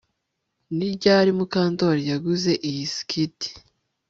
Ni ryari Mukandoli yaguze iyi skirt